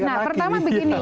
nah pertama begini